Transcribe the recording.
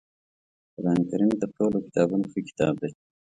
قرآنکریم تر ټولو کتابونو ښه کتاب دی